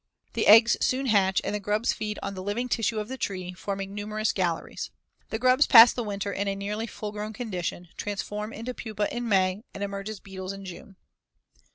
The eggs soon hatch and the grubs feed on the living tissue of the tree, forming numerous galleries. The grubs pass the winter in a nearly full grown condition, transform to pupae in May, and emerge as beetles in June.